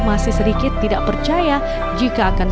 masih sedikit tidak percaya jika akan